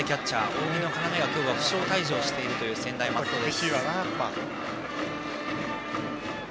扇の要が今日は負傷退場しているという専大松戸です。